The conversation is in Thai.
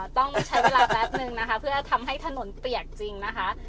ต้องใช้เวลาแป๊บนึงนะคะเพื่อทำให้ถนนเปียกจริงนะคะ